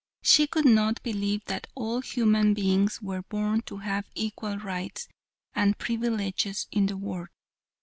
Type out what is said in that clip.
She could not believe that all human beings were born to have equal rights and privileges in the world.